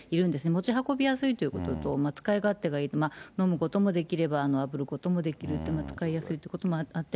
持ち運びやすいということと、使い勝手がいい、飲むこともできれば、あぶることもできるという、使いやすいということもあって。